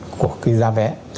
của cái giá vé